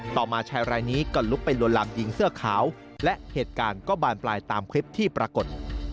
มาชายรายนี้ก็ลุกไปลวนลามหญิงเสื้อขาวและเหตุการณ์ก็บานปลายตามคลิปที่ปรากฏ